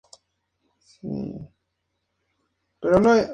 Pasa el río Guadalhorce y el Polígono Villa Rosa.